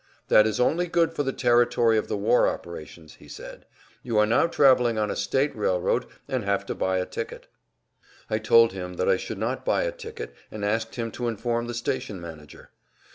"That is only good for the territory of the war operations," he said; "you are now traveling on a state railroad and have to buy a ticket." I told him that I should not buy a ticket, and asked him to inform the station manager.